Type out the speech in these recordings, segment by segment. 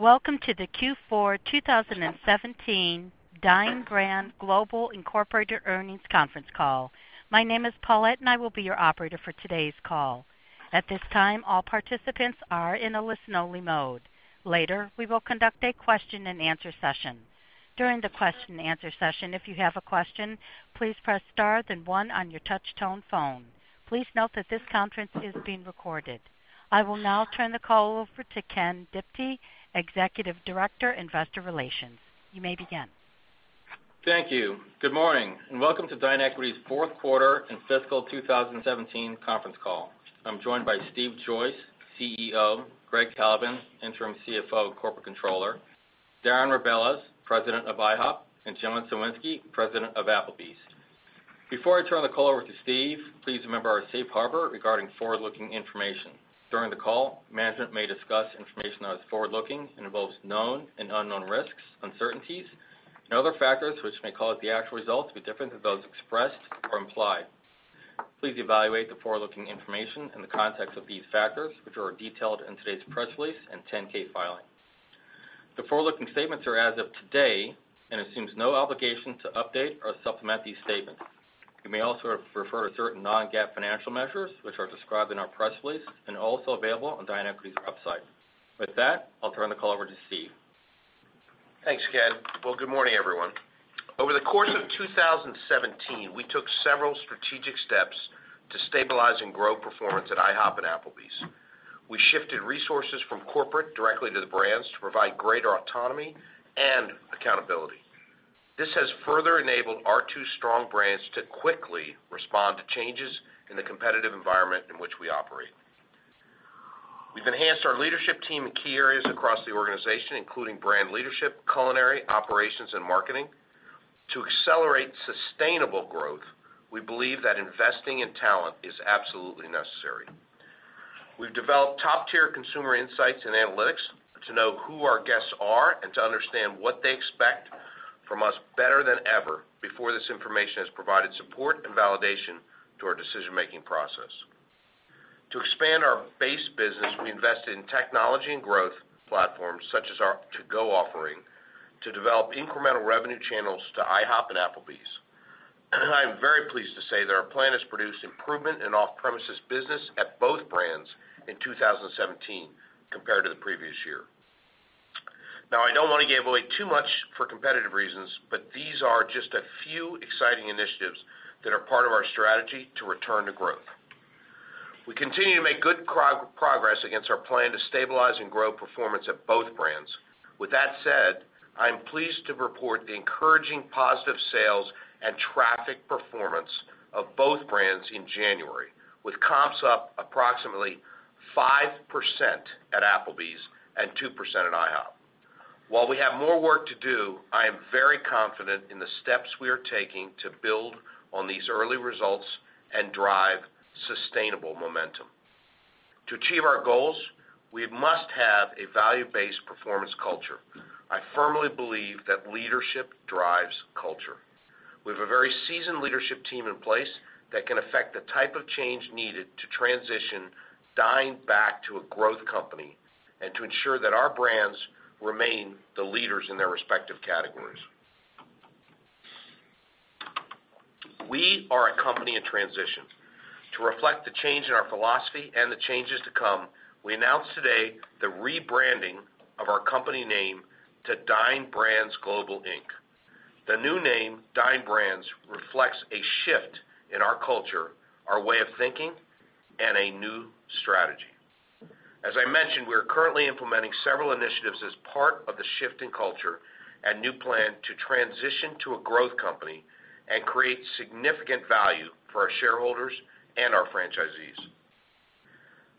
Welcome to the Q4 2017 Dine Brands Global, Inc. earnings conference call. My name is Paulette, and I will be your operator for today's call. At this time, all participants are in a listen-only mode. Later, we will conduct a question and answer session. During the question and answer session, if you have a question, please press star then one on your touch tone phone. Please note that this conference is being recorded. I will now turn the call over to Ken Diptee, Executive Director, Investor Relations. You may begin. Thank you. Good morning, welcome to DineEquity's fourth quarter and fiscal 2017 conference call. I'm joined by Steve Joyce, CEO, Greg Kalvin, Interim CFO and Corporate Controller, Darren Rebelez, President of IHOP, and John Cywinski, President of Applebee's. Before I turn the call over to Steve, please remember our safe harbor regarding forward-looking information. During the call, management may discuss information that is forward-looking and involves known and unknown risks, uncertainties, and other factors which may cause the actual results to be different than those expressed or implied. Please evaluate the forward-looking information in the context of these factors, which are detailed in today's press release and 10-K filing. The forward-looking statements are as of today and assumes no obligation to update or supplement these statements. You may also refer to certain non-GAAP financial measures, which are described in our press release and also available on DineEquity's website. With that, I'll turn the call over to Steve. Thanks, Ken. Well, good morning, everyone. Over the course of 2017, we took several strategic steps to stabilize and grow performance at IHOP and Applebee's. We shifted resources from corporate directly to the brands to provide greater autonomy and accountability. This has further enabled our two strong brands to quickly respond to changes in the competitive environment in which we operate. We've enhanced our leadership team in key areas across the organization, including brand leadership, culinary, operations, and marketing. To accelerate sustainable growth, we believe that investing in talent is absolutely necessary. We've developed top-tier consumer insights and analytics to know who our guests are and to understand what they expect from us better than ever before. This information has provided support and validation to our decision-making process. To expand our base business, we invested in technology and growth platforms such as our to-go offering to develop incremental revenue channels to IHOP and Applebee's. I am very pleased to say that our plan has produced improvement in off-premises business at both brands in 2017 compared to the previous year. I don't want to give away too much for competitive reasons, but these are just a few exciting initiatives that are part of our strategy to return to growth. We continue to make good progress against our plan to stabilize and grow performance at both brands. With that said, I am pleased to report the encouraging positive sales and traffic performance of both brands in January, with comps up approximately 5% at Applebee's and 2% at IHOP. While we have more work to do, I am very confident in the steps we are taking to build on these early results and drive sustainable momentum. To achieve our goals, we must have a value-based performance culture. I firmly believe that leadership drives culture. We have a very seasoned leadership team in place that can affect the type of change needed to transition Dine back to a growth company, and to ensure that our brands remain the leaders in their respective categories. We are a company in transition. To reflect the change in our philosophy and the changes to come, we announce today the rebranding of our company name to Dine Brands Global, Inc. The new name, Dine Brands, reflects a shift in our culture, our way of thinking, and a new strategy. As I mentioned, we are currently implementing several initiatives as part of the shift in culture and new plan to transition to a growth company and create significant value for our shareholders and our franchisees.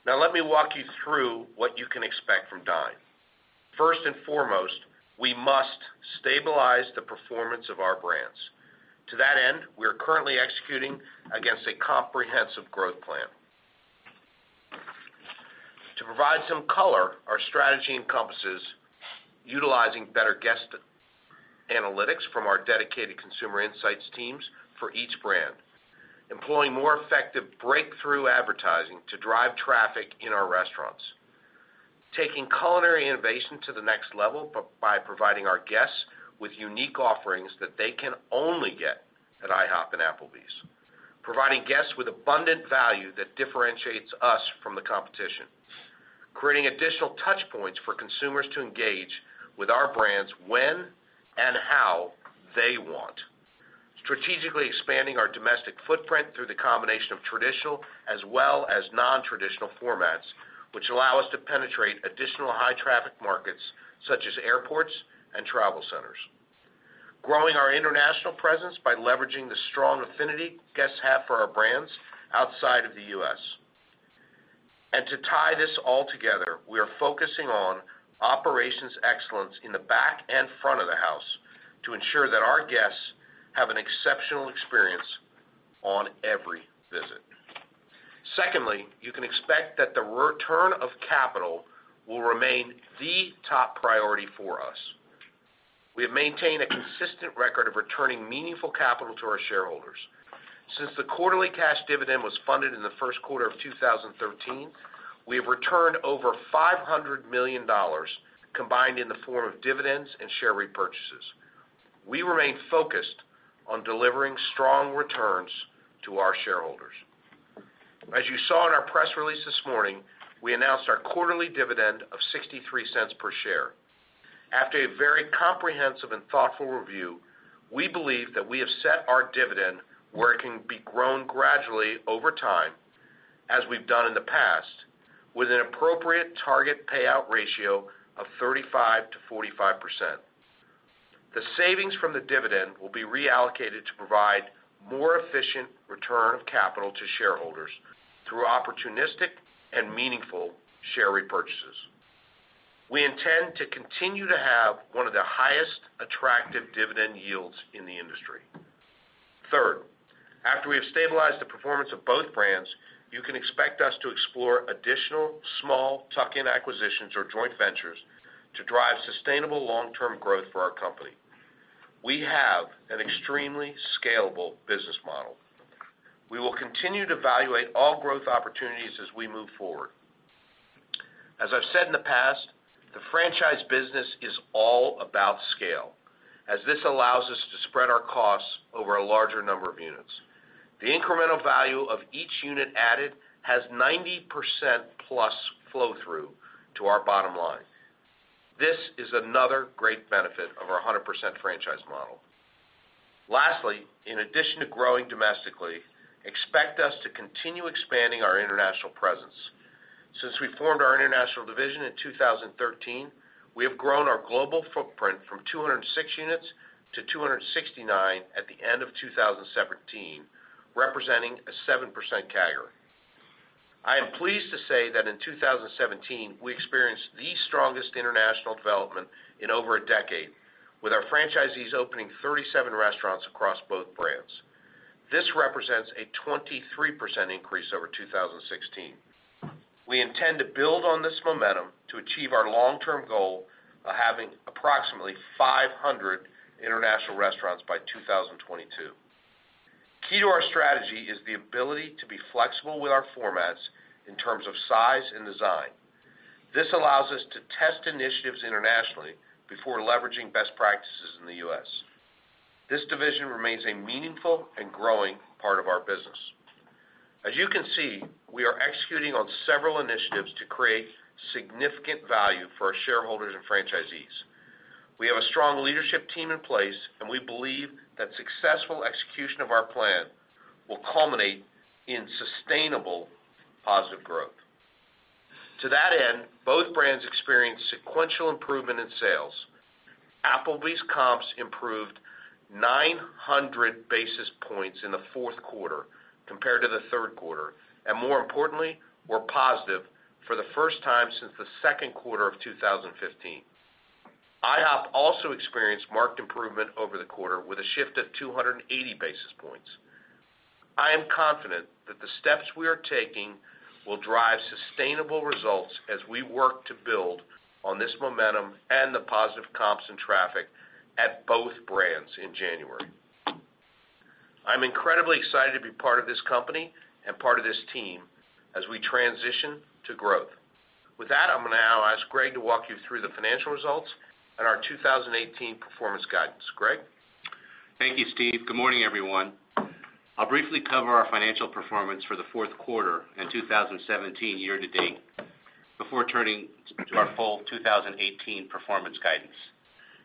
Let me walk you through what you can expect from Dine. First and foremost, we must stabilize the performance of our brands. To that end, we are currently executing against a comprehensive growth plan. To provide some color, our strategy encompasses utilizing better guest analytics from our dedicated consumer insights teams for each brand, employing more effective breakthrough advertising to drive traffic in our restaurants, taking culinary innovation to the next level by providing our guests with unique offerings that they can only get at IHOP and Applebee's, providing guests with abundant value that differentiates us from the competition, creating additional touch points for consumers to engage with our brands when and how they want, strategically expanding our domestic footprint through the combination of traditional as well as non-traditional formats, which allow us to penetrate additional high-traffic markets such as airports and travel centers, growing our international presence by leveraging the strong affinity guests have for our brands outside of the U.S. To tie this all together, we are focusing on operations excellence in the back and front of the house to ensure that our guests have an exceptional experience on every visit. Secondly, you can expect that the return of capital will remain the top priority for us. We have maintained a consistent record of returning meaningful capital to our shareholders. Since the quarterly cash dividend was funded in the first quarter of 2013, we have returned over $500 million, combined in the form of dividends and share repurchases. We remain focused on delivering strong returns to our shareholders. As you saw in our press release this morning, we announced our quarterly dividend of $0.63 per share. After a very comprehensive and thoughtful review, we believe that we have set our dividend where it can be grown gradually over time, as we've done in the past, with an appropriate target payout ratio of 35%-45%. The savings from the dividend will be reallocated to provide more efficient return of capital to shareholders through opportunistic and meaningful share repurchases. We intend to continue to have one of the highest attractive dividend yields in the industry. Third, after we have stabilized the performance of both brands, you can expect us to explore additional small tuck-in acquisitions or joint ventures to drive sustainable long-term growth for our company. We have an extremely scalable business model. We will continue to evaluate all growth opportunities as we move forward. As I've said in the past, the franchise business is all about scale, as this allows us to spread our costs over a larger number of units. The incremental value of each unit added has 90%+ flow-through to our bottom line. This is another great benefit of our 100% franchise model. Lastly, in addition to growing domestically, expect us to continue expanding our international presence. Since we formed our international division in 2013, we have grown our global footprint from 206 units to 269 at the end of 2017, representing a 7% CAGR. I am pleased to say that in 2017, we experienced the strongest international development in over a decade, with our franchisees opening 37 restaurants across both brands. This represents a 23% increase over 2016. We intend to build on this momentum to achieve our long-term goal of having approximately 500 international restaurants by 2022. Key to our strategy is the ability to be flexible with our formats in terms of size and design. This allows us to test initiatives internationally before leveraging best practices in the U.S. This division remains a meaningful and growing part of our business. As you can see, we are executing on several initiatives to create significant value for our shareholders and franchisees. We have a strong leadership team in place, and we believe that successful execution of our plan will culminate in sustainable positive growth. To that end, both brands experienced sequential improvement in sales. Applebee's comps improved 900 basis points in the fourth quarter compared to the third quarter, and more importantly, were positive for the first time since the second quarter of 2015. IHOP also experienced marked improvement over the quarter with a shift of 280 basis points. I am confident that the steps we are taking will drive sustainable results as we work to build on this momentum and the positive comps and traffic at both brands in January. I'm incredibly excited to be part of this company and part of this team as we transition to growth. With that, I'm going to now ask Greg to walk you through the financial results and our 2018 performance guidance. Greg? Thank you, Steve. Good morning, everyone. I'll briefly cover our financial performance for the fourth quarter and 2017 year to date before turning to our full 2018 performance guidance.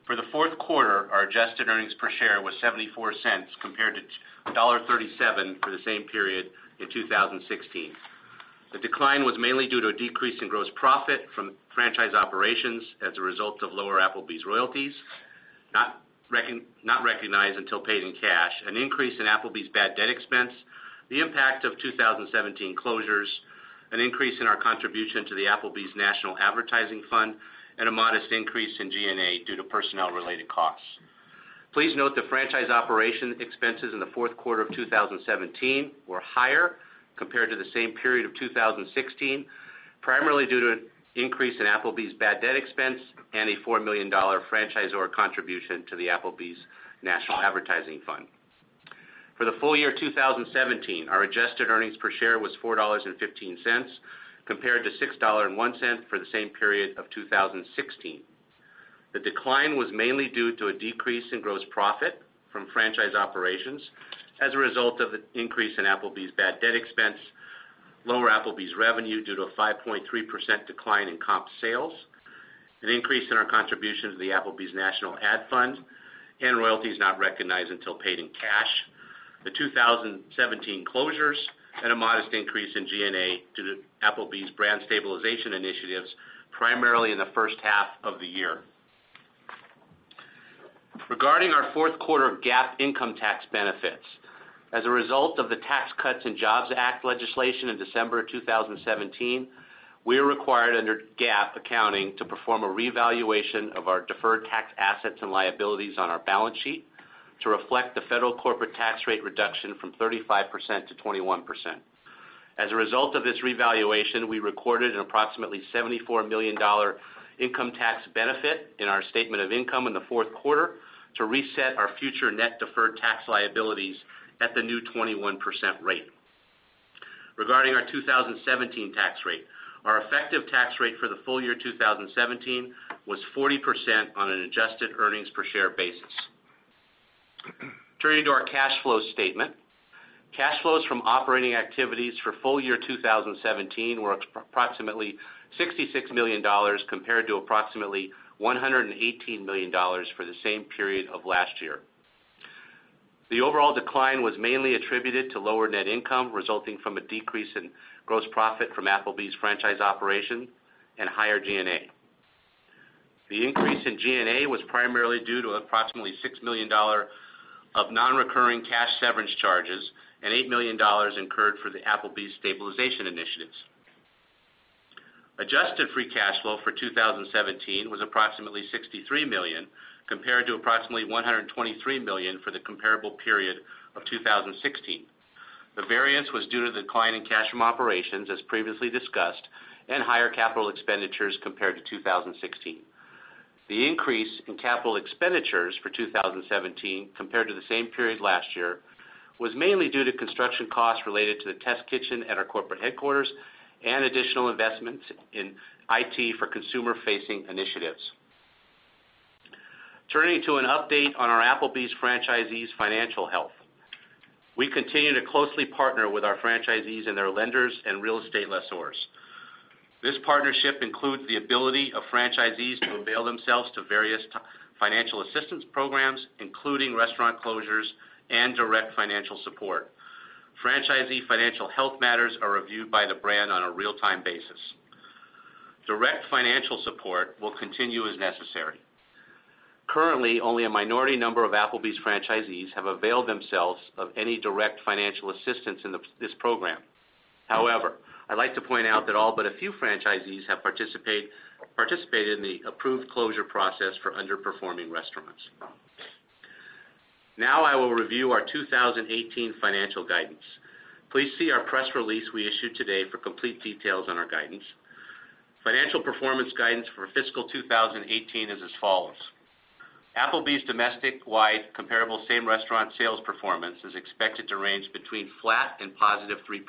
For the fourth quarter, our adjusted earnings per share was $0.74 compared to $1.37 for the same period in 2016. The decline was mainly due to a decrease in gross profit from franchise operations as a result of lower Applebee's royalties, not recognized until paid in cash, an increase in Applebee's bad debt expense, the impact of 2017 closures, an increase in our contribution to the Applebee's National Advertising Fund, and a modest increase in G&A due to personnel-related costs. Please note the franchise operation expenses in the fourth quarter of 2017 were higher compared to the same period of 2016, primarily due to an increase in Applebee's bad debt expense and a $4 million franchisor contribution to the Applebee's National Advertising Fund. For the full year 2017, our adjusted earnings per share was $4.15 compared to $6.01 for the same period of 2016. The decline was mainly due to a decrease in gross profit from franchise operations as a result of an increase in Applebee's bad debt expense, lower Applebee's revenue due to a 5.3% decline in comp sales, an increase in our contribution to the Applebee's National Ad Fund, and royalties not recognized until paid in cash, the 2017 closures, and a modest increase in G&A due to Applebee's brand stabilization initiatives, primarily in the first half of the year. Regarding our fourth quarter GAAP income tax benefits, as a result of the Tax Cuts and Jobs Act legislation in December of 2017, we are required under GAAP accounting to perform a revaluation of our deferred tax assets and liabilities on our balance sheet. To reflect the federal corporate tax rate reduction from 35% to 21%. As a result of this revaluation, we recorded an approximately $74 million income tax benefit in our statement of income in the fourth quarter to reset our future net deferred tax liabilities at the new 21% rate. Regarding our 2017 tax rate, our effective tax rate for the full year 2017 was 40% on an adjusted earnings per share basis. Turning to our cash flow statement. Cash flows from operating activities for full year 2017 were approximately $66 million compared to approximately $118 million for the same period of last year. The overall decline was mainly attributed to lower net income, resulting from a decrease in gross profit from Applebee's franchise operation and higher G&A. The increase in G&A was primarily due to approximately $6 million of non-recurring cash severance charges and $8 million incurred for the Applebee's stabilization initiatives. Adjusted free cash flow for 2017 was approximately $63 million, compared to approximately $123 million for the comparable period of 2016. The variance was due to the decline in cash from operations, as previously discussed, and higher capital expenditures compared to 2016. The increase in capital expenditures for 2017 compared to the same period last year, was mainly due to construction costs related to the test kitchen at our corporate headquarters and additional investments in IT for consumer-facing initiatives. Turning to an update on our Applebee's franchisees' financial health. We continue to closely partner with our franchisees and their lenders and real estate lessors. This partnership includes the ability of franchisees to avail themselves to various financial assistance programs, including restaurant closures and direct financial support. Franchisee financial health matters are reviewed by the brand on a real-time basis. Direct financial support will continue as necessary. Currently, only a minority number of Applebee's franchisees have availed themselves of any direct financial assistance in this program. However, I'd like to point out that all but a few franchisees have participated in the approved closure process for underperforming restaurants. Now I will review our 2018 financial guidance. Please see our press release we issued today for complete details on our guidance. Financial performance guidance for fiscal 2018 is as follows. Applebee's domestic-wide comparable same-restaurant sales performance is expected to range between flat and positive 3%.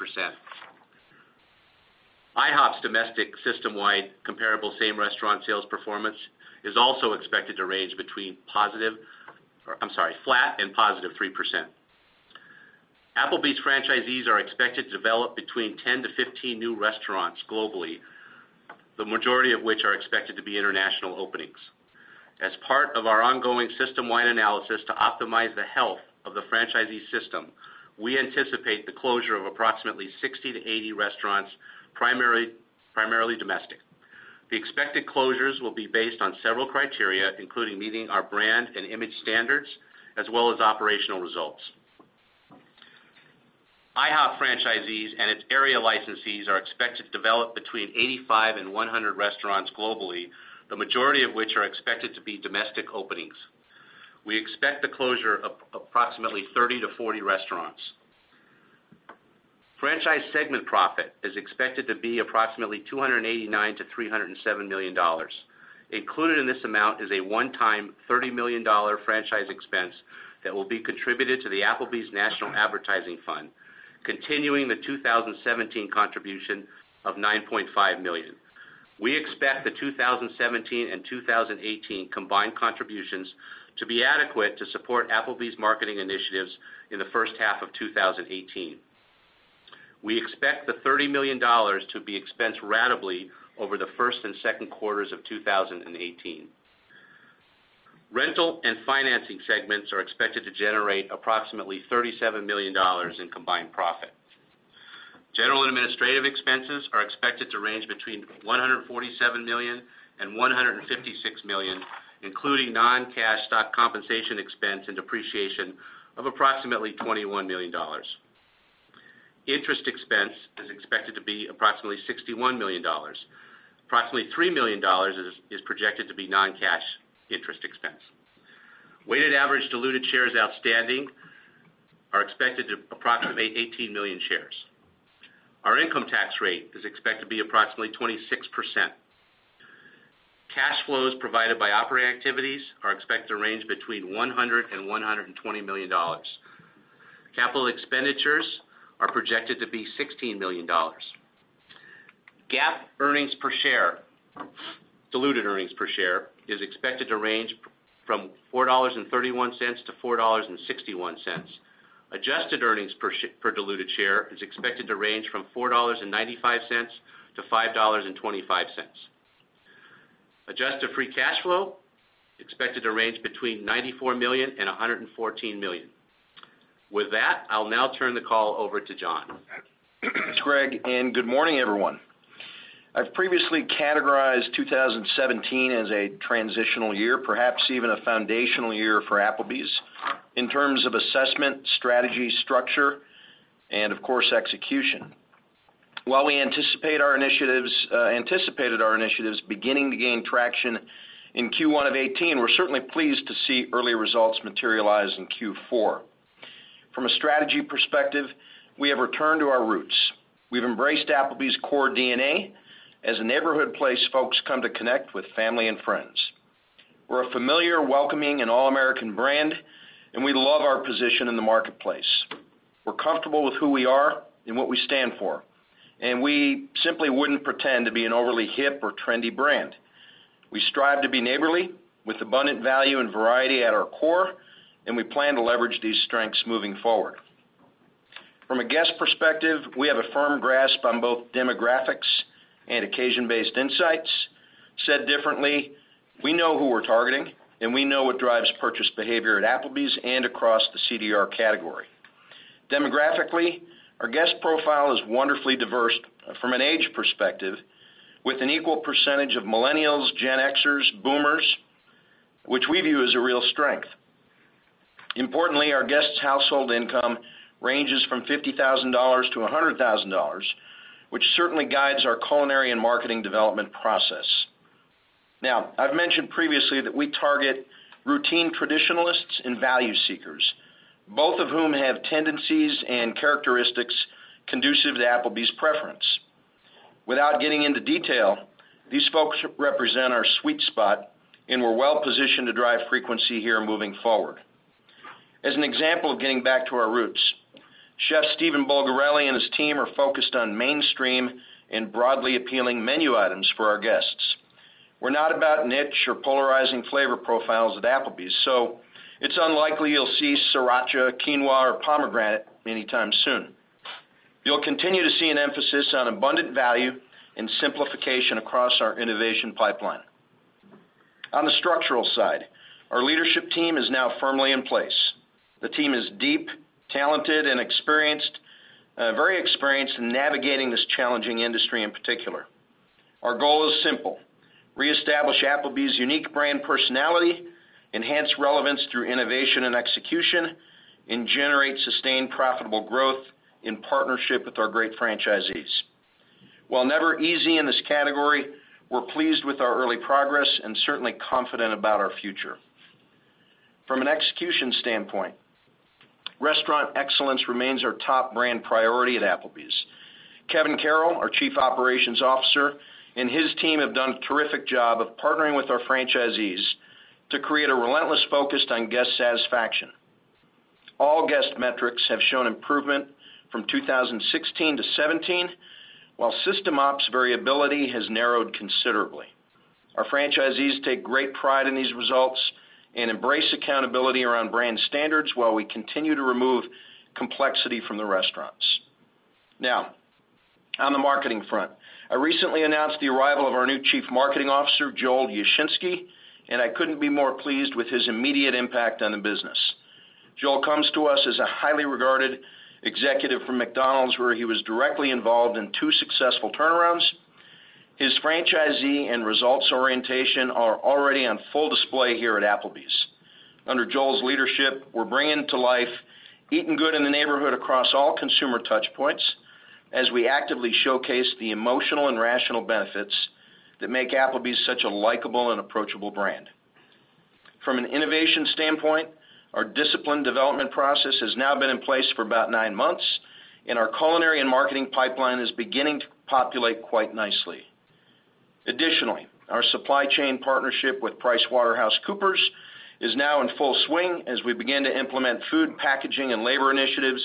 IHOP's domestic systemwide comparable same-restaurant sales performance is also expected to range between flat and positive 3%. Applebee's franchisees are expected to develop between 10 to 15 new restaurants globally, the majority of which are expected to be international openings. As part of our ongoing systemwide analysis to optimize the health of the franchisee system, we anticipate the closure of approximately 60 to 80 restaurants, primarily domestic. The expected closures will be based on several criteria, including meeting our brand and image standards, as well as operational results. IHOP franchisees and its area licensees are expected to develop between 85 and 100 restaurants globally, the majority of which are expected to be domestic openings. We expect the closure of approximately 30 to 40 restaurants. Franchise segment profit is expected to be approximately $289 million-$307 million. Included in this amount is a one-time $30 million franchise expense that will be contributed to the Applebee's National Advertising Fund, continuing the 2017 contribution of $9.5 million. We expect the 2017 and 2018 combined contributions to be adequate to support Applebee's marketing initiatives in the first half of 2018. We expect the $30 million to be expensed ratably over the first and second quarters of 2018. Rental and financing segments are expected to generate approximately $37 million in combined profit. General and administrative expenses are expected to range between $147 million-$156 million, including non-cash stock compensation expense and depreciation of approximately $21 million. Interest expense is expected to be approximately $61 million. Approximately $3 million is projected to be non-cash interest expense. Weighted average diluted shares outstanding are expected to approximate 18 million shares. Our income tax rate is expected to be approximately 26%. Cash flows provided by operating activities are expected to range between $100 million and $120 million. Capital expenditures are projected to be $16 million. GAAP earnings per share, diluted earnings per share, is expected to range from $4.31-$4.61. Adjusted earnings per diluted share is expected to range from $4.95-$5.25. Adjusted free cash flow, expected to range between $94 million and $114 million. With that, I'll now turn the call over to John. It's Greg Kalvin, and good morning, everyone. I've previously categorized 2017 as a transitional year, perhaps even a foundational year for Applebee's, in terms of assessment, strategy, structure, and of course, execution. While we anticipated our initiatives beginning to gain traction in Q1 of 2018, we're certainly pleased to see early results materialize in Q4. From a strategy perspective, we have returned to our roots. We've embraced Applebee's core DNA as a neighborhood place folks come to connect with family and friends. We're a familiar, welcoming, and all-American brand, and we love our position in the marketplace. We're comfortable with who we are and what we stand for, and we simply wouldn't pretend to be an overly hip or trendy brand. We strive to be neighborly, with abundant value and variety at our core, and we plan to leverage these strengths moving forward. From a guest perspective, we have a firm grasp on both demographics and occasion-based insights. Said differently, we know who we're targeting, and we know what drives purchase behavior at Applebee's and across the CDR category. Demographically, our guest profile is wonderfully diverse from an age perspective, with an equal percentage of millennials, Gen Xers, boomers, which we view as a real strength. Importantly, our guests' household income ranges from $50,000 to $100,000, which certainly guides our culinary and marketing development process. Now, I've mentioned previously that we target routine traditionalists and value seekers, both of whom have tendencies and characteristics conducive to Applebee's preference. Without getting into detail, these folks represent our sweet spot, and we're well-positioned to drive frequency here moving forward. As an example of getting back to our roots, Chef Stephen Bulgarelli and his team are focused on mainstream and broadly appealing menu items for our guests. We're not about niche or polarizing flavor profiles at Applebee's. It's unlikely you'll see sriracha, quinoa, or pomegranate anytime soon. You'll continue to see an emphasis on abundant value and simplification across our innovation pipeline. On the structural side, our leadership team is now firmly in place. The team is deep, talented, and very experienced in navigating this challenging industry in particular. Our goal is simple: reestablish Applebee's unique brand personality, enhance relevance through innovation and execution, and generate sustained profitable growth in partnership with our great franchisees. While never easy in this category, we're pleased with our early progress and certainly confident about our future. From an execution standpoint, restaurant excellence remains our top brand priority at Applebee's. Kevin Carroll, our Chief Operations Officer, and his team have done a terrific job of partnering with our franchisees to create a relentless focus on guest satisfaction. All guest metrics have shown improvement from 2016 to 2017, while system ops variability has narrowed considerably. Our franchisees take great pride in these results and embrace accountability around brand standards while we continue to remove complexity from the restaurants. On the marketing front, I recently announced the arrival of our new Chief Marketing Officer, Joel Yashinsky, and I couldn't be more pleased with his immediate impact on the business. Joel comes to us as a highly regarded executive from McDonald's, where he was directly involved in two successful turnarounds. His franchisee and results orientation are already on full display here at Applebee's. Under Joel's leadership, we're bringing to life Eatin' Good in the Neighborhood across all consumer touch points as we actively showcase the emotional and rational benefits that make Applebee's such a likable and approachable brand. From an innovation standpoint, our disciplined development process has now been in place for about nine months, and our culinary and marketing pipeline is beginning to populate quite nicely. Additionally, our supply chain partnership with PricewaterhouseCoopers is now in full swing as we begin to implement food packaging and labor initiatives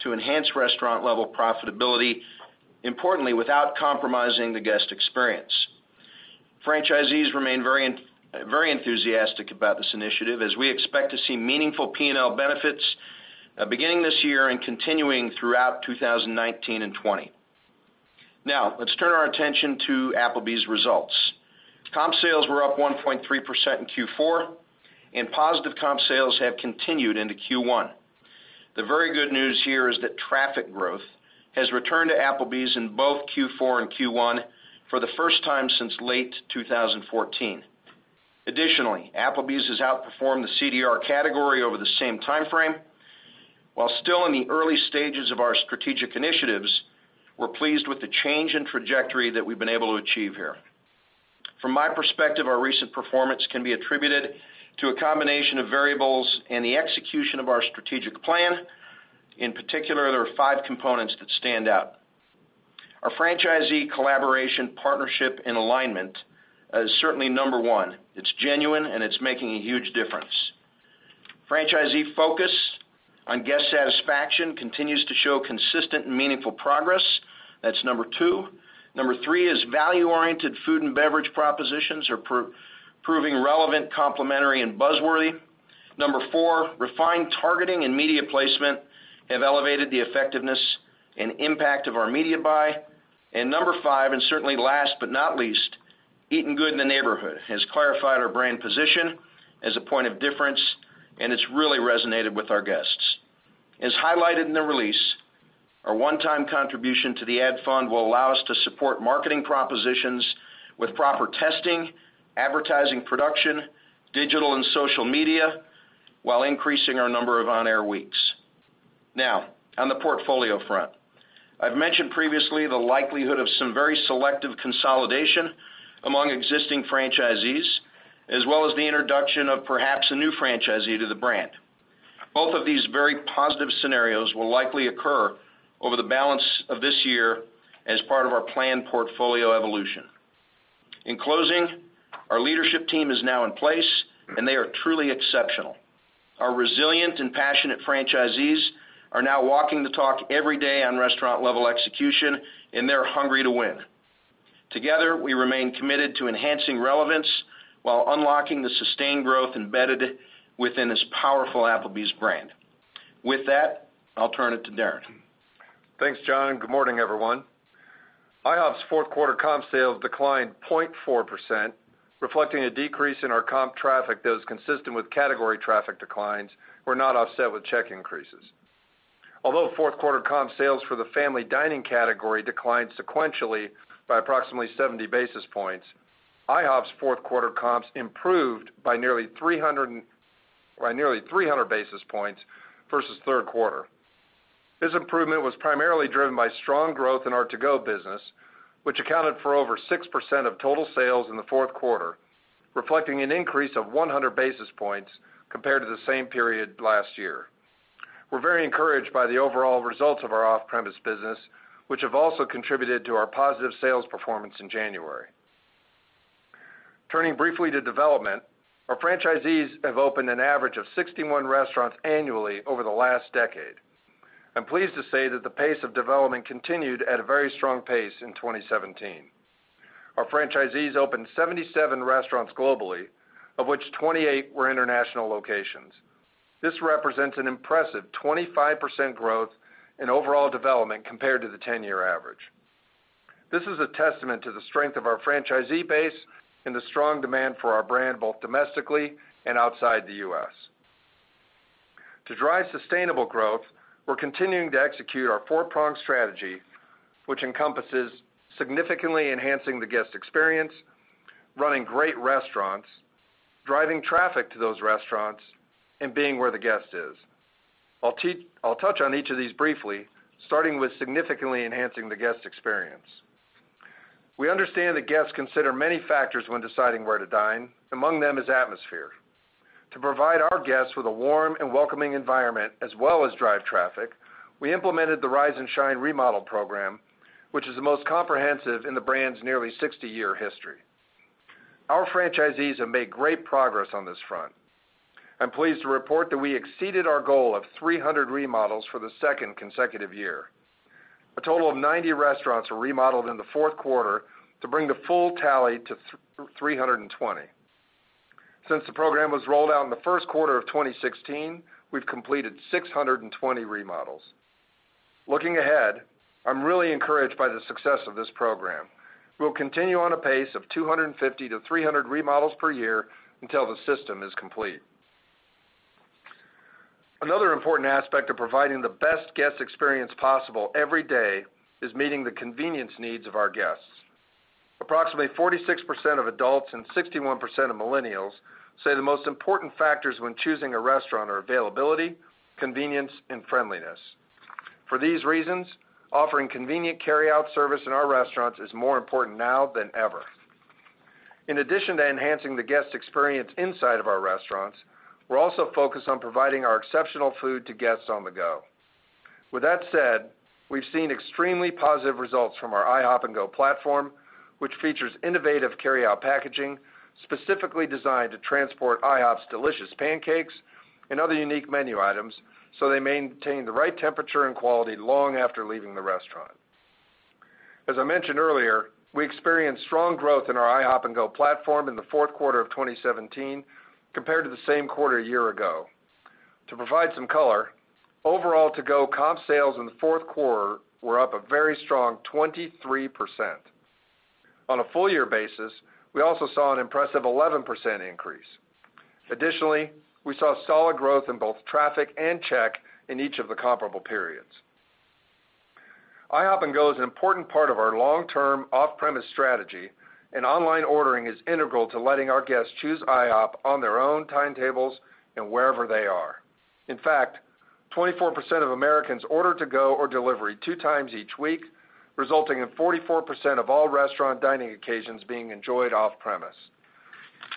to enhance restaurant-level profitability, importantly, without compromising the guest experience. Franchisees remain very enthusiastic about this initiative, as we expect to see meaningful P&L benefits beginning this year and continuing throughout 2019 and 2020. Let's turn our attention to Applebee's results. Comp sales were up 1.3% in Q4, and positive comp sales have continued into Q1. The very good news here is that traffic growth has returned to Applebee's in both Q4 and Q1 for the first time since late 2014. Additionally, Applebee's has outperformed the CDR category over the same timeframe. While still in the early stages of our strategic initiatives, we're pleased with the change in trajectory that we've been able to achieve here. From my perspective, our recent performance can be attributed to a combination of variables and the execution of our strategic plan. In particular, there are five components that stand out. Our franchisee collaboration, partnership, and alignment is certainly number one. It's genuine, and it's making a huge difference. Franchisee focus on guest satisfaction continues to show consistent and meaningful progress. That's number two. Number three is value-oriented food and beverage propositions are proving relevant, complementary, and buzz-worthy. Number four, refined targeting and media placement have elevated the effectiveness and impact of our media buy. Number five, and certainly last but not least, Eatin' Good in the Neighborhood has clarified our brand position as a point of difference, and it's really resonated with our guests. As highlighted in the release, our one-time contribution to the ad fund will allow us to support marketing propositions with proper testing, advertising production, digital and social media while increasing our number of on-air weeks. On the portfolio front. I've mentioned previously the likelihood of some very selective consolidation among existing franchisees, as well as the introduction of perhaps a new franchisee to the brand. Both of these very positive scenarios will likely occur over the balance of this year as part of our planned portfolio evolution. Our leadership team is now in place, and they are truly exceptional. Our resilient and passionate franchisees are now walking the talk every day on restaurant-level execution. They're hungry to win. Together, we remain committed to enhancing relevance while unlocking the sustained growth embedded within this powerful Applebee's brand. With that, I'll turn it to Darren. Thanks, John. Good morning, everyone. IHOP's fourth quarter comp sales declined 0.4%, reflecting a decrease in our comp traffic that was consistent with category traffic declines were not offset with check increases. Although fourth quarter comp sales for the family dining category declined sequentially by approximately 70 basis points, IHOP's fourth quarter comps improved by nearly 300 basis points versus third quarter. This improvement was primarily driven by strong growth in our to-go business, which accounted for over 6% of total sales in the fourth quarter, reflecting an increase of 100 basis points compared to the same period last year. We're very encouraged by the overall results of our off-premise business, which have also contributed to our positive sales performance in January. Turning briefly to development, our franchisees have opened an average of 61 restaurants annually over the last decade. I'm pleased to say that the pace of development continued at a very strong pace in 2017. Our franchisees opened 77 restaurants globally, of which 28 were international locations. This represents an impressive 25% growth in overall development compared to the 10-year average. This is a testament to the strength of our franchisee base and the strong demand for our brand, both domestically and outside the U.S. To drive sustainable growth, we're continuing to execute our four-pronged strategy, which encompasses significantly enhancing the guest experience, running great restaurants, driving traffic to those restaurants, and being where the guest is. I'll touch on each of these briefly, starting with significantly enhancing the guest experience. We understand that guests consider many factors when deciding where to dine. Among them is atmosphere. To provide our guests with a warm and welcoming environment as well as drive traffic, we implemented the Rise and Shine remodel program, which is the most comprehensive in the brand's nearly 60-year history. Our franchisees have made great progress on this front. I'm pleased to report that we exceeded our goal of 300 remodels for the second consecutive year. A total of 90 restaurants were remodeled in the fourth quarter to bring the full tally to 320. Since the program was rolled out in the first quarter of 2016, we've completed 620 remodels. Looking ahead, I'm really encouraged by the success of this program. We'll continue on a pace of 250-300 remodels per year until the system is complete. Another important aspect of providing the best guest experience possible every day is meeting the convenience needs of our guests. Approximately 46% of adults and 61% of millennials say the most important factors when choosing a restaurant are availability, convenience, and friendliness. For these reasons, offering convenient carryout service in our restaurants is more important now than ever. In addition to enhancing the guest experience inside of our restaurants, we are also focused on providing our exceptional food to guests on the go. With that said, we have seen extremely positive results from our IHOP 'N GO platform, which features innovative carryout packaging specifically designed to transport IHOP's delicious pancakes and other unique menu items so they maintain the right temperature and quality long after leaving the restaurant. As I mentioned earlier, we experienced strong growth in our IHOP 'N GO platform in the fourth quarter of 2017 compared to the same quarter a year ago. To provide some color, overall to-go comp sales in the fourth quarter were up a very strong 23%. On a full year basis, we also saw an impressive 11% increase. Additionally, we saw solid growth in both traffic and check in each of the comparable periods. IHOP 'N GO is an important part of our long-term off-premise strategy, and online ordering is integral to letting our guests choose IHOP on their own timetables and wherever they are. In fact, 24% of Americans order to-go or delivery two times each week, resulting in 44% of all restaurant dining occasions being enjoyed off-premise.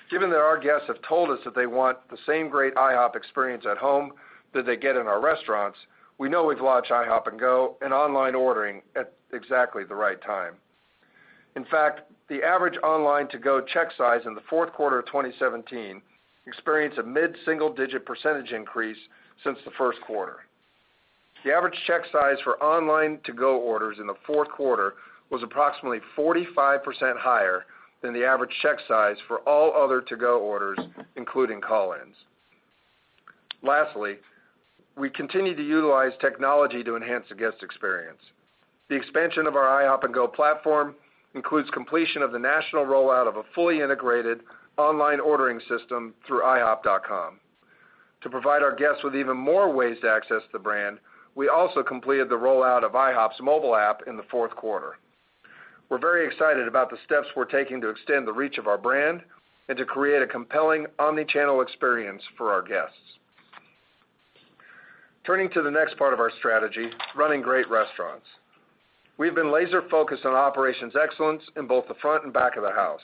Given that our guests have told us that they want the same great IHOP experience at home that they get in our restaurants, we know we have launched IHOP 'N GO and online ordering at exactly the right time. In fact, the average online to-go check size in the fourth quarter of 2017 experienced a mid-single-digit percentage increase since the first quarter. The average check size for online to-go orders in the fourth quarter was approximately 45% higher than the average check size for all other to-go orders, including call-ins. Lastly, we continue to utilize technology to enhance the guest experience. The expansion of our IHOP 'N GO platform includes completion of the national rollout of a fully integrated online ordering system through ihop.com. To provide our guests with even more ways to access the brand, we also completed the rollout of IHOP's mobile app in the fourth quarter. We are very excited about the steps we are taking to extend the reach of our brand and to create a compelling omni-channel experience for our guests. Turning to the next part of our strategy, running great restaurants. We have been laser-focused on operations excellence in both the front and back of the house.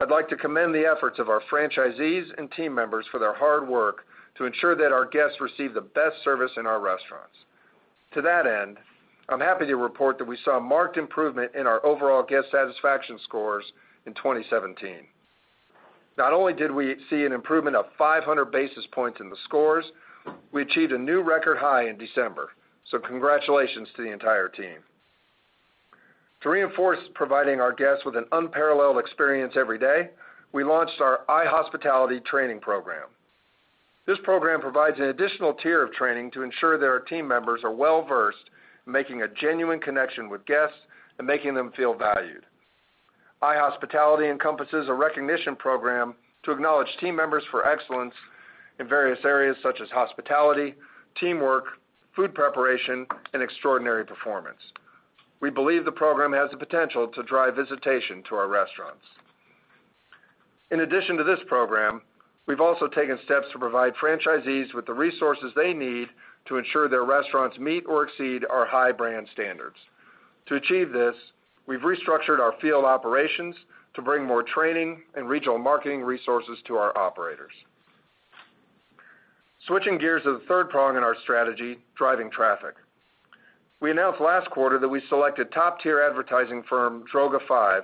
I would like to commend the efforts of our franchisees and team members for their hard work to ensure that our guests receive the best service in our restaurants. To that end, I am happy to report that we saw a marked improvement in our overall guest satisfaction scores in 2017. Not only did we see an improvement of 500 basis points in the scores, we achieved a new record high in December, so congratulations to the entire team. To reinforce providing our guests with an unparalleled experience every day, we launched our IHospitality training program. This program provides an additional tier of training to ensure that our team members are well-versed in making a genuine connection with guests and making them feel valued. IHospitality encompasses a recognition program to acknowledge team members for excellence in various areas such as hospitality, teamwork, food preparation, and extraordinary performance. We believe the program has the potential to drive visitation to our restaurants. In addition to this program, we've also taken steps to provide franchisees with the resources they need to ensure their restaurants meet or exceed our high brand standards. To achieve this, we've restructured our field operations to bring more training and regional marketing resources to our operators. Switching gears to the third prong in our strategy, driving traffic. We announced last quarter that we selected top-tier advertising firm Droga5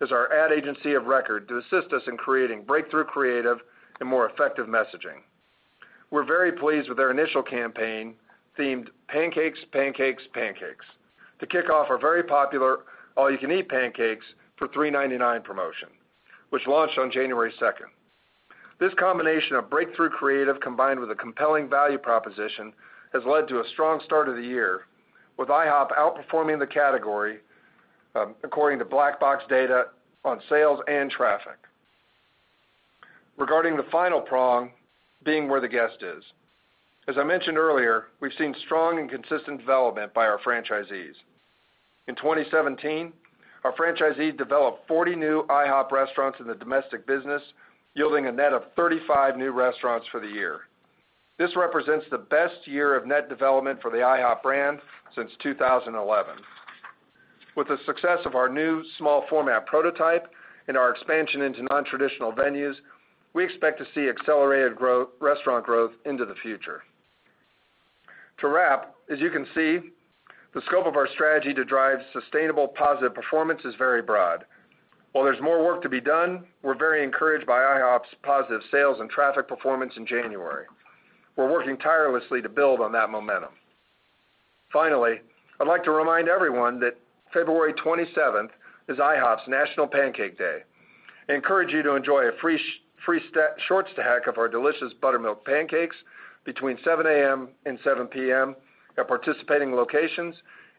as our ad agency of record to assist us in creating breakthrough creative and more effective messaging. We're very pleased with their initial campaign themed Pancakes, Pancakes, to kick off our very popular All You Can Eat Pancakes for $3.99 promotion, which launched on January 2nd. This combination of breakthrough creative combined with a compelling value proposition has led to a strong start of the year, with IHOP outperforming the category, according to Black Box data on sales and traffic. Regarding the final prong, being where the guest is. As I mentioned earlier, we've seen strong and consistent development by our franchisees. In 2017, our franchisees developed 40 new IHOP restaurants in the domestic business, yielding a net of 35 new restaurants for the year. This represents the best year of net development for the IHOP brand since 2011. With the success of our new small format prototype and our expansion into non-traditional venues, we expect to see accelerated restaurant growth into the future. To wrap, as you can see, the scope of our strategy to drive sustainable positive performance is very broad. While there's more work to be done, we're very encouraged by IHOP's positive sales and traffic performance in January. We're working tirelessly to build on that momentum. Finally, I'd like to remind everyone that February 27th is IHOP's National Pancake Day. I encourage you to enjoy a free short stack of our delicious buttermilk pancakes between 7:00 A.M. and 7:00 P.M. at participating locations,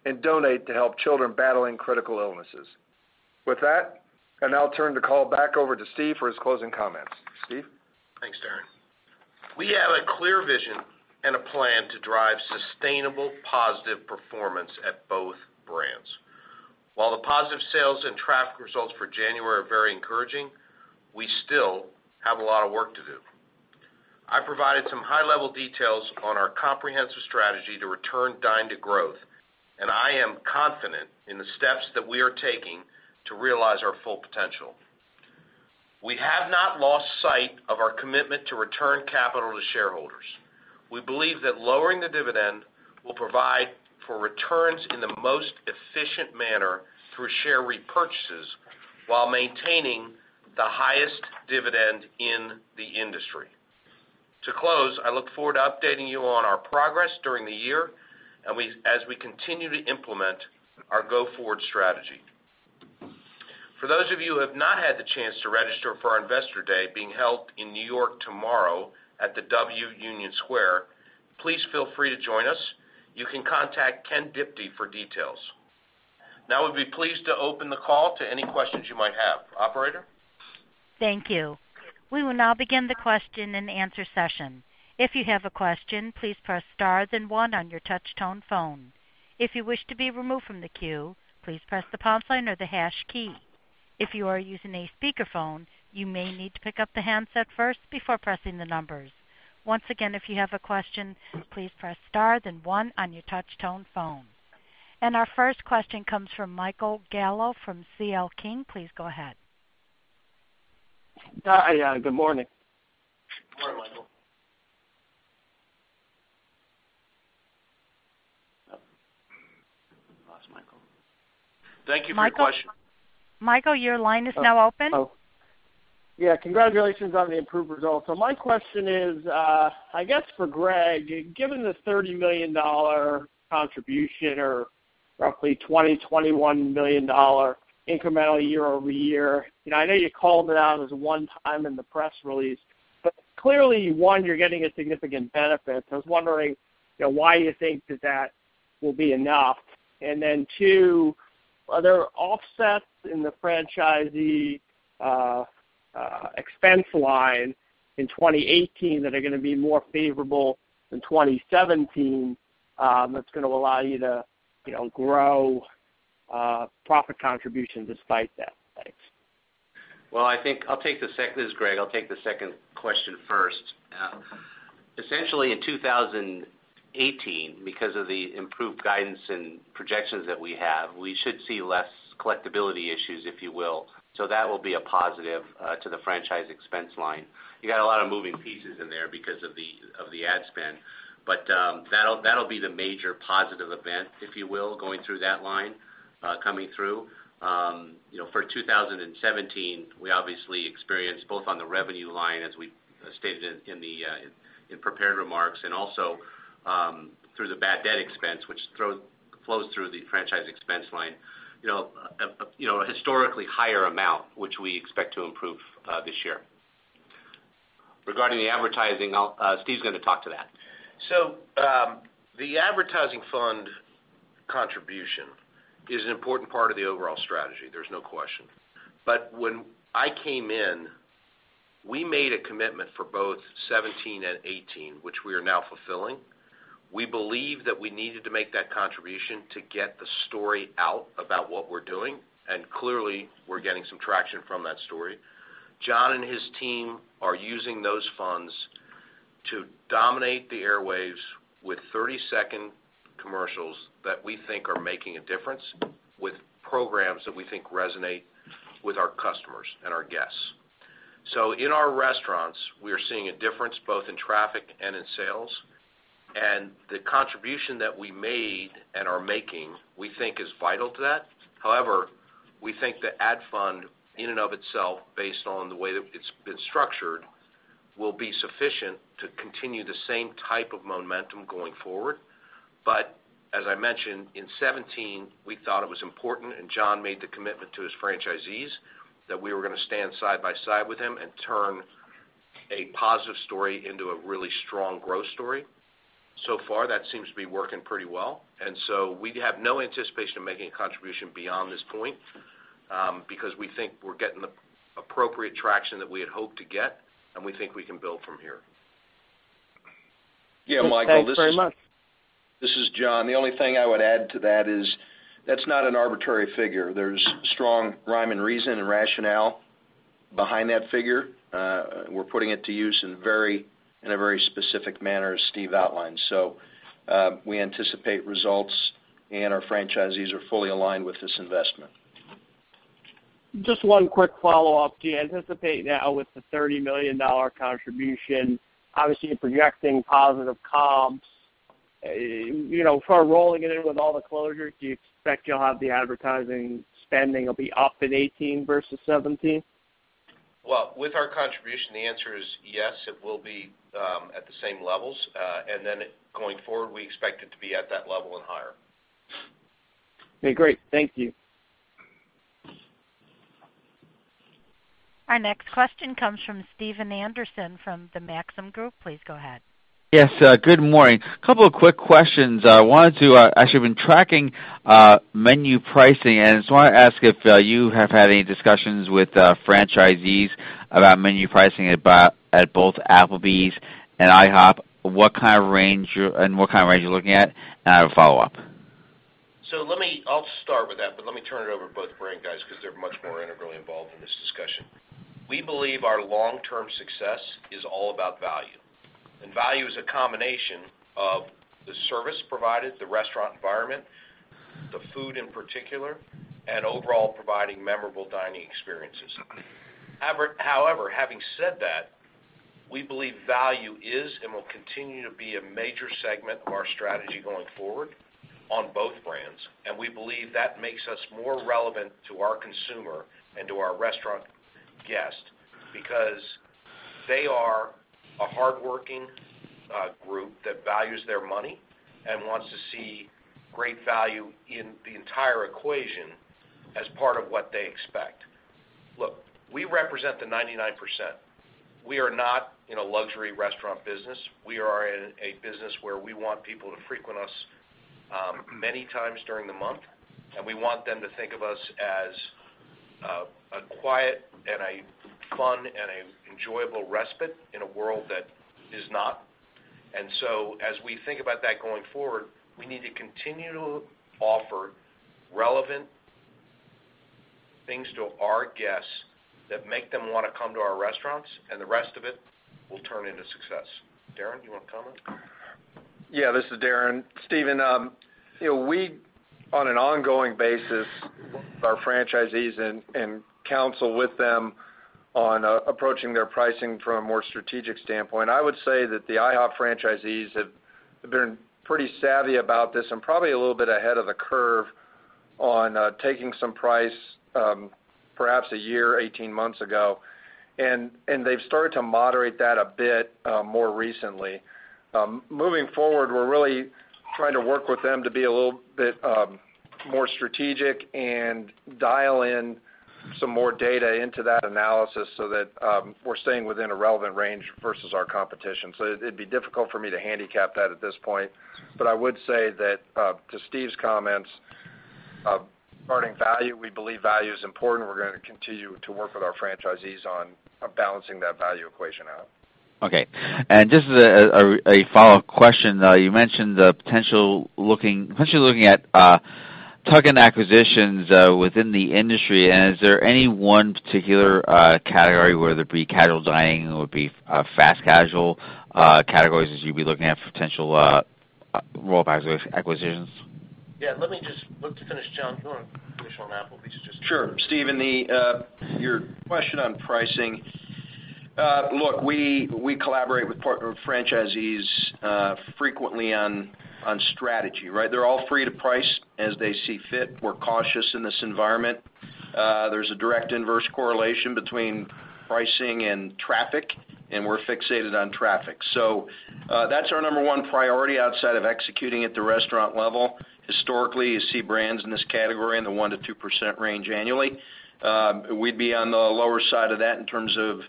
and donate to help children battling critical illnesses. With that, I now turn the call back over to Steve for his closing comments. Steve? Thanks, Darren. We have a clear vision and a plan to drive sustainable positive performance at both brands. While the positive sales and traffic results for January are very encouraging, we still have a lot of work to do. I provided some high-level details on our comprehensive strategy to return Dine to growth, and I am confident in the steps that we are taking to realize our full potential. We have not lost sight of our commitment to return capital to shareholders. We believe that lowering the dividend will provide for returns in the most efficient manner through share repurchases while maintaining the highest dividend in the industry. To close, I look forward to updating you on our progress during the year as we continue to implement our go-forward strategy. For those of you who have not had the chance to register for our Investor Day being held in New York tomorrow at the W Union Square, please feel free to join us. You can contact Ken Diptee for details. We'd be pleased to open the call to any questions you might have. Operator? Thank you. We will now begin the question and answer session. If you have a question, please press star then one on your touch tone phone. If you wish to be removed from the queue, please press the pound sign or the hash key. If you are using a speakerphone, you may need to pick up the handset first before pressing the numbers. Once again, if you have a question, please press star then one on your touch tone phone. Our first question comes from Michael Gallo from C.L. King. Please go ahead. Hi. Good morning. Good morning, Michael. We lost Michael. Thank you for your question. Michael, your line is now open. Oh. Yeah, congratulations on the improved results. My question is, I guess for Greg, given the $30 million contribution or roughly $20 million-$21 million incremental year-over-year, I know you called it out as a one-time in the press release, but clearly, one, you're getting a significant benefit. I was wondering why you think that that will be enough. Two, are there offsets in the franchisee expense line in 2018 that are going to be more favorable than 2017? That's going to allow you to grow profit contribution despite that. Thanks. Well, this is Greg. I'll take the second question first. Essentially in 2018, because of the improved guidance and projections that we have, we should see less collectibility issues, if you will. That will be a positive to the franchise expense line. You got a lot of moving pieces in there because of the ad spend. That'll be the major positive event, if you will, going through that line coming through. For 2017, we obviously experienced both on the revenue line as we stated in prepared remarks, and also through the bad debt expense, which flows through the franchise expense line, a historically higher amount, which we expect to improve this year. Regarding the advertising, Steve's going to talk to that. The advertising fund contribution is an important part of the overall strategy. There's no question. When I came in, we made a commitment for both 2017 and 2018, which we are now fulfilling. We believe that we needed to make that contribution to get the story out about what we're doing, and clearly, we're getting some traction from that story. John and his team are using those funds to dominate the airwaves with 30-second commercials that we think are making a difference with programs that we think resonate with our customers and our guests. In our restaurants, we are seeing a difference both in traffic and in sales, and the contribution that we made and are making, we think is vital to that. We think the ad fund, in and of itself, based on the way that it's been structured, will be sufficient to continue the same type of momentum going forward. As I mentioned, in 2017, we thought it was important, and John made the commitment to his franchisees, that we were going to stand side by side with him and turn a positive story into a really strong growth story. So far, that seems to be working pretty well. We have no anticipation of making a contribution beyond this point, because we think we're getting the appropriate traction that we had hoped to get, and we think we can build from here. Yeah, Michael. Thanks very much. This is John. The only thing I would add to that is that's not an arbitrary figure. There's strong rhyme and reason and rationale behind that figure. We're putting it to use in a very specific manner, as Steve outlined. We anticipate results, and our franchisees are fully aligned with this investment. Just one quick follow-up. Do you anticipate now with the $30 million contribution, obviously you're projecting positive comps. For rolling it in with all the closures, do you expect you'll have the advertising spending will be up in 2018 versus 2017? Well, with our contribution, the answer is yes, it will be at the same levels. Going forward, we expect it to be at that level and higher. Okay, great. Thank you. Our next question comes from Stephen Anderson from the Maxim Group. Please go ahead. Yes, good morning. A couple of quick questions. Actually, I've been tracking menu pricing, and I just want to ask if you have had any discussions with franchisees about menu pricing at both Applebee's and IHOP. What kind of range you're looking at? I have a follow-up. I'll start with that, but let me turn it over to both brand guys because they're much more integrally involved in this discussion. We believe our long-term success is all about value, and value is a combination of the service provided, the restaurant environment, the food in particular, and overall providing memorable dining experiences. However, having said that, we believe value is and will continue to be a major segment of our strategy going forward on both brands. We believe that makes us more relevant to our consumer and to our restaurant guest because they are a hardworking group that values their money and wants to see great value in the entire equation as part of what they expect. Look, we represent the 99%. We are not in a luxury restaurant business. We are in a business where we want people to frequent us many times during the month, and we want them to think of us as a quiet and a fun and an enjoyable respite in a world that is not. As we think about that going forward, we need to continue to offer relevant things to our guests that make them want to come to our restaurants, and the rest of it will turn into success. Darren, you want to comment? Yeah, this is Darren. Stephen, we, on an ongoing basis, our franchisees and counsel with them on approaching their pricing from a more strategic standpoint. I would say that the IHOP franchisees have been pretty savvy about this and probably a little bit ahead of the curve on taking some price perhaps a year, 18 months ago. They've started to moderate that a bit more recently. Moving forward, we're really trying to work with them to be a little bit more strategic and dial in some more data into that analysis so that we're staying within a relevant range versus our competition. It'd be difficult for me to handicap that at this point, but I would say that to Steve's comments Regarding value, we believe value is important. We're going to continue to work with our franchisees on balancing that value equation out. Just as a follow-up question, you mentioned potentially looking at tuck-in acquisitions within the industry. Is there any one particular category, whether it be casual dining or it be fast casual categories, as you'd be looking at potential roll-up acquisitions? Yeah. Let me look to finish, John, if you want to finish on Applebee's. Sure. Stephen, your question on pricing. Look, we collaborate with partner franchisees frequently on strategy, right? They're all free to price as they see fit. We're cautious in this environment. There's a direct inverse correlation between pricing and traffic, and we're fixated on traffic. That's our number one priority outside of executing at the restaurant level. Historically, you see brands in this category in the 1% to 2% range annually. We'd be on the lower side of that in terms of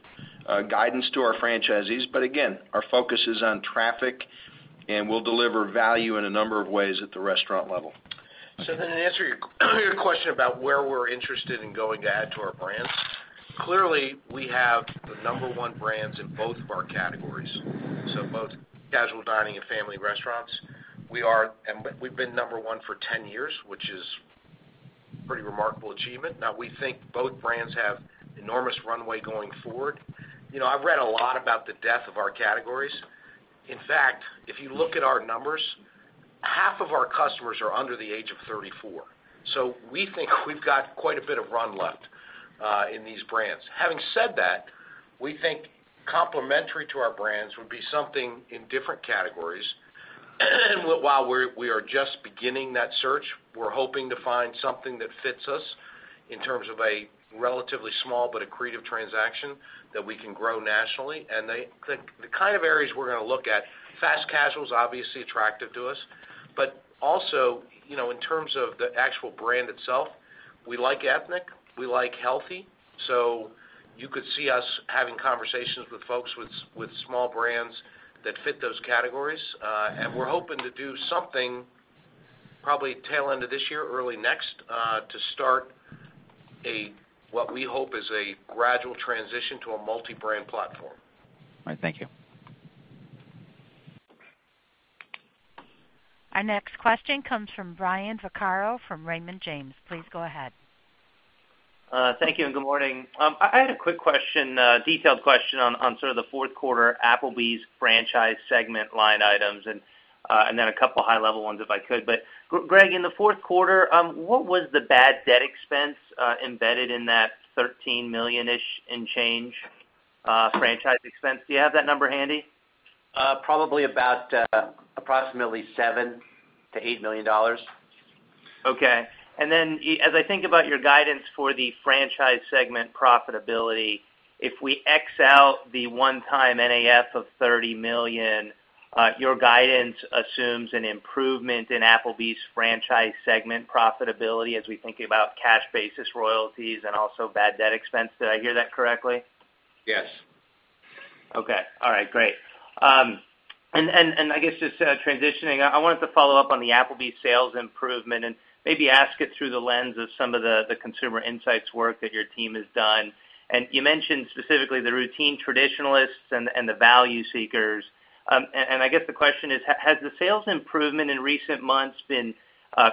guidance to our franchisees. Again, our focus is on traffic, and we'll deliver value in a number of ways at the restaurant level. To answer your question about where we're interested in going to add to our brands, clearly, we have the number one brands in both of our categories. Both casual dining and family restaurants. We've been number one for 10 years, which is pretty remarkable achievement. We think both brands have enormous runway going forward. I've read a lot about the death of our categories. In fact, if you look at our numbers, half of our customers are under the age of 34. We think we've got quite a bit of run left in these brands. Having said that, we think complementary to our brands would be something in different categories. While we are just beginning that search, we're hoping to find something that fits us in terms of a relatively small but accretive transaction that we can grow nationally. The kind of areas we're going to look at, fast casual is obviously attractive to us. In terms of the actual brand itself, we like ethnic, we like healthy. You could see us having conversations with folks with small brands that fit those categories. We're hoping to do something probably tail end of this year or early next, to start what we hope is a gradual transition to a multi-brand platform. All right. Thank you. Our next question comes from Brian Vaccaro from Raymond James. Please go ahead. Thank you, and good morning. I had a quick question, detailed question on sort of the fourth quarter Applebee's franchise segment line items, and then a couple of high-level ones if I could. Greg, in the fourth quarter, what was the bad debt expense embedded in that $13 million and change franchise expense? Do you have that number handy? Probably about approximately $7 million-$8 million. Okay. As I think about your guidance for the franchise segment profitability, if we X out the one-time NAF of $30 million, your guidance assumes an improvement in Applebee's franchise segment profitability as we think about cash basis royalties and also bad debt expense. Did I hear that correctly? Yes. Okay. All right, great. I guess just transitioning, I wanted to follow up on the Applebee's sales improvement and maybe ask it through the lens of some of the consumer insights work that your team has done. You mentioned specifically the routine traditionalists and the value seekers. I guess the question is: Has the sales improvement in recent months been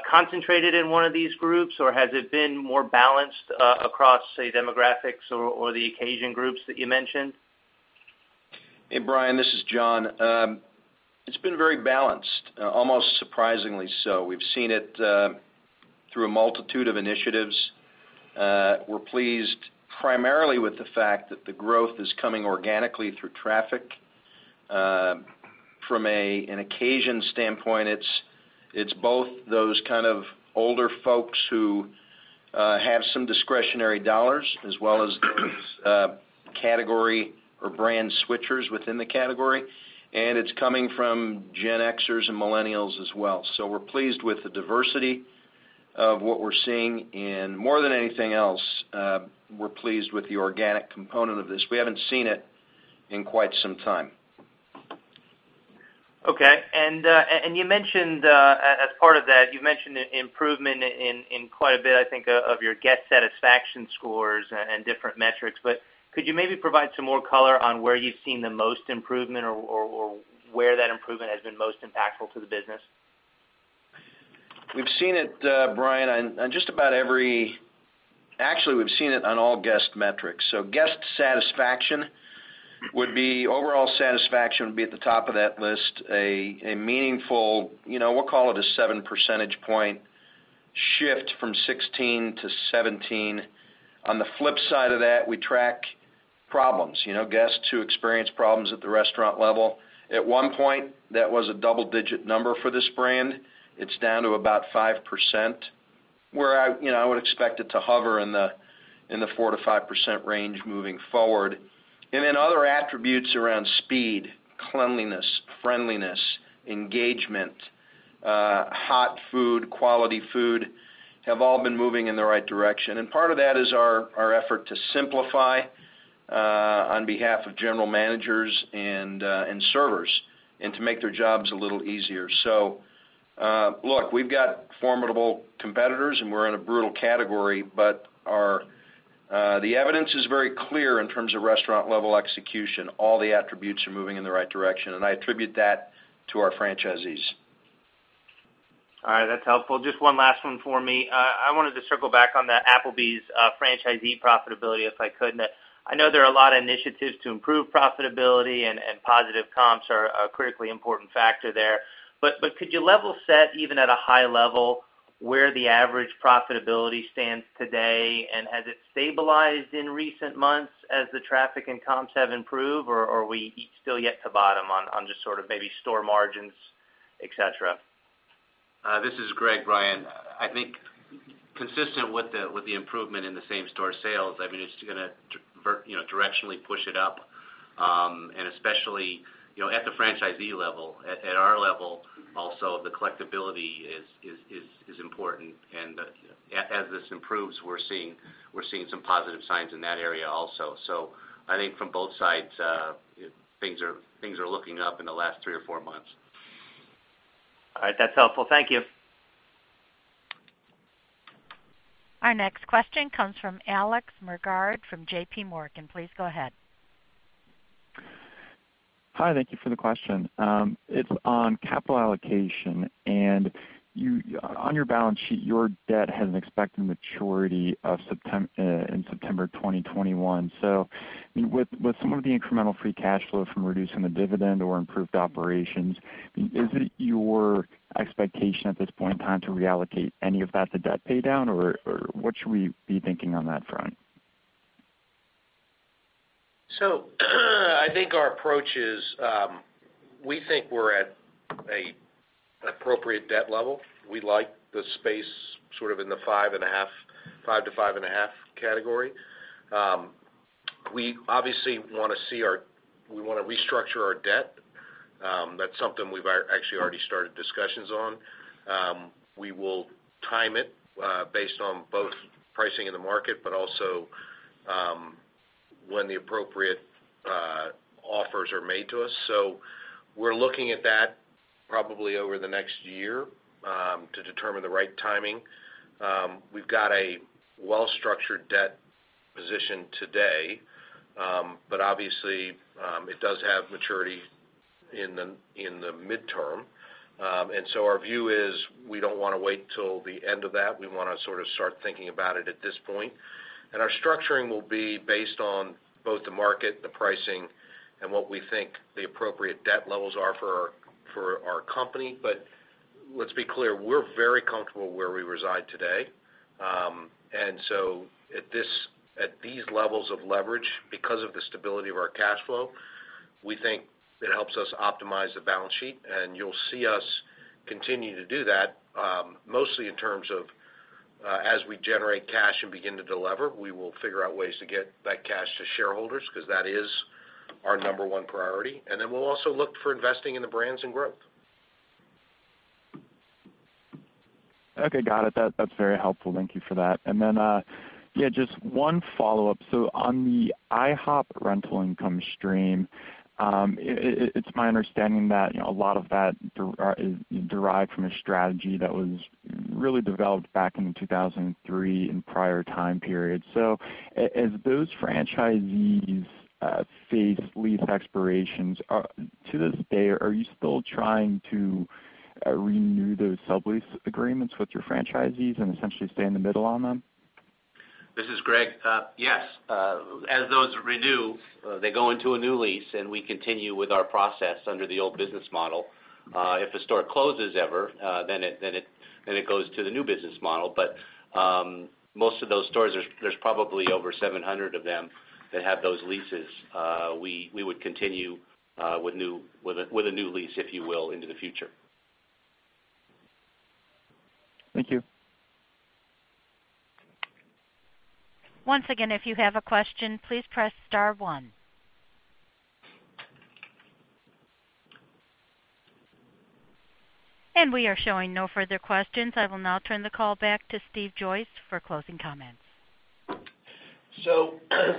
concentrated in one of these groups, or has it been more balanced across, say, demographics or the occasion groups that you mentioned? Brian, this is John. It's been very balanced, almost surprisingly so. We've seen it through a multitude of initiatives. We're pleased primarily with the fact that the growth is coming organically through traffic. From an occasion standpoint, it's both those kind of older folks who have some discretionary dollars, as well as category or brand switchers within the category, and it's coming from Gen Xers and millennials as well. We're pleased with the diversity of what we're seeing, and more than anything else, we're pleased with the organic component of this. We haven't seen it in quite some time. Okay. As part of that, you've mentioned improvement in quite a bit, I think, of your guest satisfaction scores and different metrics. Could you maybe provide some more color on where you've seen the most improvement, or where that improvement has been most impactful to the business? We've seen it, Brian, on just about every. Actually, we've seen it on all guest metrics. Guest satisfaction would be overall satisfaction would be at the top of that list, a meaningful, we'll call it a seven percentage point shift from 2016 to 2017. On the flip side of that, we track problems, guests who experience problems at the restaurant level. At one point, that was a double-digit number for this brand. It's down to about 5%, where I would expect it to hover in the 4%-5% range moving forward. Other attributes around speed, cleanliness, friendliness, engagement, hot food, quality food, have all been moving in the right direction. Part of that is our effort to simplify On behalf of general managers and servers, and to make their jobs a little easier. Look, we've got formidable competitors, and we're in a brutal category, but the evidence is very clear in terms of restaurant-level execution. All the attributes are moving in the right direction, and I attribute that to our franchisees. All right, that's helpful. Just one last one for me. I wanted to circle back on that Applebee's franchisee profitability, if I could. I know there are a lot of initiatives to improve profitability, and positive comps are a critically important factor there. Could you level set, even at a high level, where the average profitability stands today? Has it stabilized in recent months as the traffic and comps have improved, or are we still yet to bottom on just sort of maybe store margins, et cetera? This is Greg, Brian. I think consistent with the improvement in the same-store sales, it's going to directionally push it up, and especially at the franchisee level. At our level also, the collectibility is important, and as this improves, we're seeing some positive signs in that area also. I think from both sides, things are looking up in the last three or four months. All right. That's helpful. Thank you. Our next question comes from Alex Mergard from J.P. Morgan. Please go ahead. Hi. Thank you for the question. It's on capital allocation, and on your balance sheet, your debt has an expected maturity in September 2021. With some of the incremental free cash flow from reducing the dividend or improved operations, is it your expectation at this point in time to reallocate any of that to debt paydown, or what should we be thinking on that front? I think our approach is, we think we're at an appropriate debt level. We like the space sort of in the 5 to 5.5 category. We obviously want to restructure our debt. That's something we've actually already started discussions on. We will time it based on both pricing in the market, but also when the appropriate offers are made to us. We're looking at that probably over the next year to determine the right timing. We've got a well-structured debt position today, but obviously, it does have maturity in the midterm. Our view is we don't want to wait till the end of that. We want to sort of start thinking about it at this point. Our structuring will be based on both the market, the pricing, and what we think the appropriate debt levels are for our company. Let's be clear, we're very comfortable where we reside today. At these levels of leverage, because of the stability of our cash flow, we think it helps us optimize the balance sheet, and you'll see us continue to do that. Mostly in terms of as we generate cash and begin to delever, we will figure out ways to get that cash to shareholders because that is our number 1 priority. We'll also look for investing in the brands and growth. Okay, got it. That's very helpful. Thank you for that. Yeah, just one follow-up. On the IHOP rental income stream, it's my understanding that a lot of that is derived from a strategy that was really developed back in 2003 and prior time periods. As those franchisees face lease expirations, to this day, are you still trying to renew those sublease agreements with your franchisees and essentially stay in the middle on them? This is Greg. Yes. As those renew, they go into a new lease, we continue with our process under the old business model. If a store closes ever, then it goes to the new business model. Most of those stores, there's probably over 700 of them that have those leases. We would continue with a new lease, if you will, into the future. Thank you. Once again, if you have a question, please press *1. We are showing no further questions. I will now turn the call back to Steve Joyce for closing comments.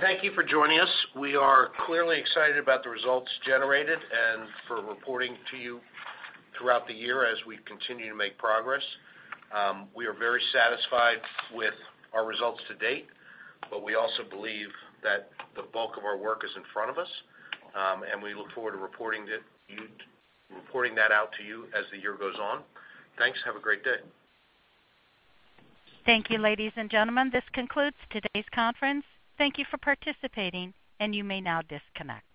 Thank you for joining us. We are clearly excited about the results generated and for reporting to you throughout the year as we continue to make progress. We are very satisfied with our results to date, we also believe that the bulk of our work is in front of us, we look forward to reporting that out to you as the year goes on. Thanks. Have a great day. Thank you, ladies and gentlemen. This concludes today's conference. Thank you for participating, and you may now disconnect.